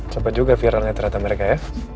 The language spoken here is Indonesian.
coba juga viralnya ternyata mereka ya